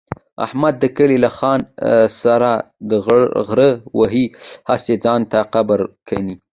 احمد د کلي له خان سره ډغره وهي، هسې ځان ته قبر کني.